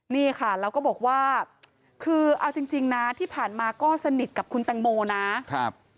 นี่ค่ะแล้วก็บอกว่าคือเอาจริงนะที่ผ่านมาก็สนิทกับคุณแตงโมนะครับ